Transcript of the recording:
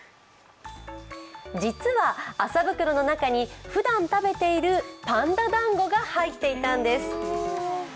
実は麻袋の中にふだん食べているパンダ団子が入っていたんです。